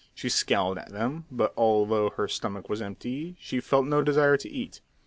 She scowled at them, but although her stomach was empty, she felt no desire to eat.